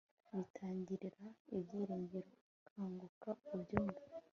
bitangirana ibyiringiro .. kanguka ubyumve